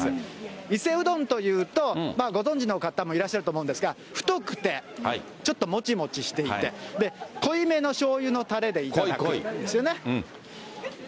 伊勢うどんというと、ご存じの方もいらっしゃると思うんですが、太くてちょっともちもちしていて、濃いめのしょうゆのたれで頂くんですよね。